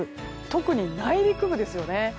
特に、内陸部ですよね。